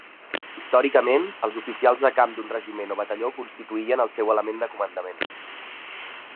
Històricament, els oficials de camp d'un regiment o batalló constituïen el seu element de comandament.